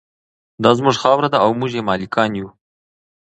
دا زموږ خاوره ده او موږ یې مالکان یو.